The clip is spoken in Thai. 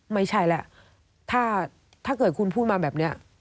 ไม่ใช่แล้วถ้าเกิดคุณพูดมาแบบนี้